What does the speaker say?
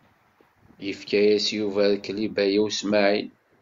Yefka-yas Yuba rrkel i Baya U Smaɛil.